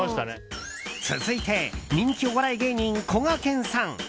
続いて、人気お笑い芸人こがけんさん。